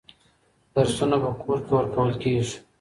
درسونه په کور کي ورکول کېږي.